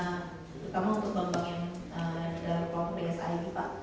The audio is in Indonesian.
terutama untuk bank bank yang dalam kelompok bsi ini pak